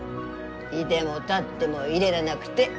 居でも立ってもいられなくて。